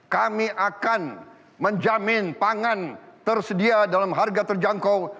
kami akan menjamin pangan tersedia dalam harga terjangkau